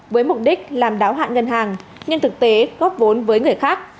với mục đích làm đáo hạn ngân hàng nhưng thực tế góp vốn với người khác